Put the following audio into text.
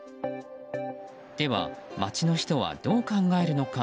では街の人はどう考えるのか。